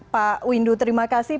pak windu terima kasih